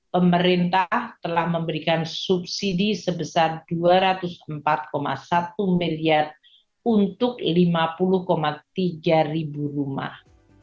pemerintah telah memberikan subsidi sebesar dua ratus empat satu miliar untuk lima puluh tiga ribu rumah